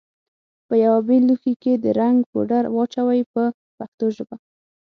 په یوه بېل لوښي کې د رنګ پوډر واچوئ په پښتو ژبه.